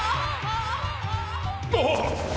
あっ！